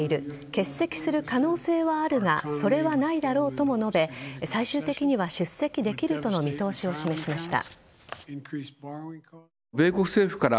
欠席する可能性はあるがそれはないだろうとも述べ最終的には出席できるとの見通しを示しました。